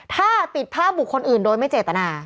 ถ้าติดภาพบุคคลอื่นโดยไม่เจตนา